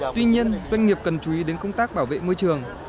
tuy nhiên doanh nghiệp cần chú ý đến công tác bảo vệ môi trường